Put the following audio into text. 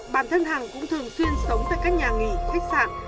bản thân hằng cũng thường xuyên sống tại các nhà nghỉ khách sạn